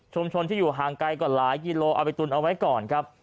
ชนที่อยู่ห่างไกลกว่าหลายกิโลเอาไปตุนเอาไว้ก่อนครับ